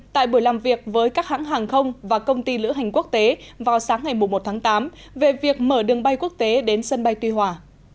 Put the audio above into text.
tại buổi làm việc với các hãng hàng không và công ty lữ hành quốc tế vào sáng ngày một tháng tám về việc mở đường bay quốc tế đến sân bay tuy hòa